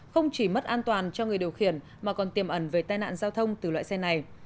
không chỉ mất an toàn cho người điều khiển mà còn tiềm ẩn về tai nạn giao thông từ loại xe này